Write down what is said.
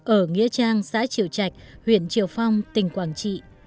ở nghĩa trang xã triệu trạch huyện triệu phong tỉnh quảng trị